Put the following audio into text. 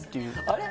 あれ？